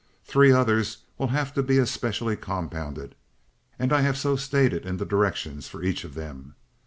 Three others will have to be especially compounded and I have so stated in the directions for each of them.